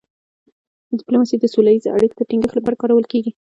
ډيپلوماسي د سوله ییزو اړیکو د ټینګښت لپاره کارول کېږي.